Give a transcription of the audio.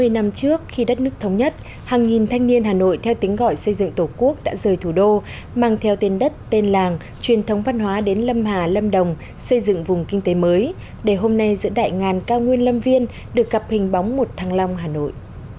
sáu mươi năm trước khi đất nước thống nhất hàng nghìn thanh niên hà nội theo tính gọi xây dựng tổ quốc đã rời thủ đô mang theo tên đất tên làng truyền thống văn hóa đến lâm hà lâm đồng xây dựng vùng kinh tế mới để hôm nay giữa đại ngàn cao nguyên lâm viên được gặp hình bóng một thăng long hà nội